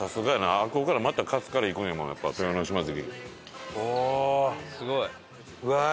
あそこからまたカツカレーいくんやもんやっぱ豊ノ島関。